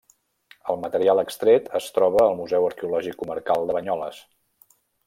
El material extret es troba al Museu Arqueològic Comarcal de Banyoles.